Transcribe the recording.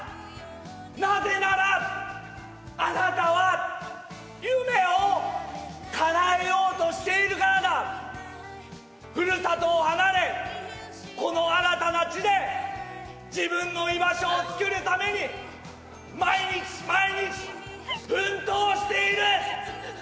なぜなら、あなたは夢をかなえようとしているからだふるさとを離れ、この新たな地で自分の居場所を作るために毎日毎日奮闘している。